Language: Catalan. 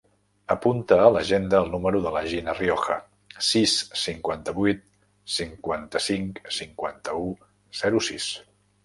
Apunta a l'agenda el número de la Gina Rioja: sis, cinquanta-vuit, cinquanta-cinc, cinquanta-u, zero, sis.